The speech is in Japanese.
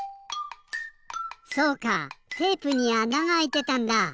そうかテープにあながあいてたんだ！